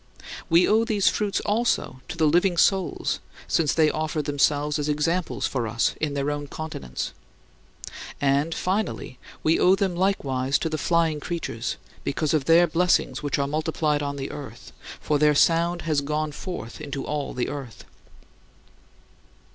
We owe these fruits, also, to "the living souls" since they offer themselves as examples for us in their own continence. And, finally, we owe them likewise to "the flying creatures" because of their blessings which are multiplied on the earth, for "their sound has gone forth into all the earth."